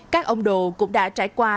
các ông đồ cũng đã trải qua